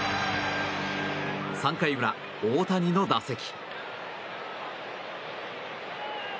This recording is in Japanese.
３回裏、大谷の打席。